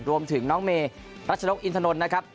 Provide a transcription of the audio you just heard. รวมถึงน้องเมรัชนกอินทนนท์นะครับ